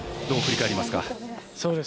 どう振り返りますか？